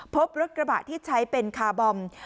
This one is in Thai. พบรถกระบะที่ใช้เป็นคาร์บอม